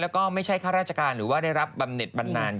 ถ้าเกิน๘๐จะจำนวนน้อยแล้ว